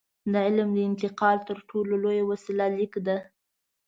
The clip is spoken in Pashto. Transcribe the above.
د علم د انتقال تر ټولو لویه وسیله لیک ده.